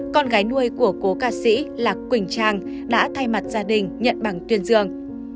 con gái nuôi của cô ca sĩ là quỳnh trang đã thay mặt gia đình nhận bằng tuyên dương